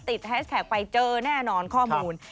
แฮชแท็กไปเจอแน่นอนข้อมูล